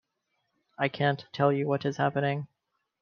I can’t tell you what is happening.